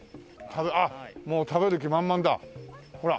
あっもう食べる気満々だほら。